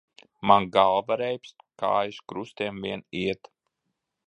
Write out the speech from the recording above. Man galva reibst, kājas krustiem vien iet.